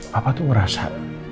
papa tuh ngerasa